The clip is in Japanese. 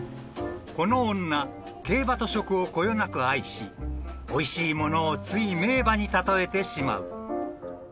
［この女競馬と食をこよなく愛しおいしいものをつい名馬に例えてしまう］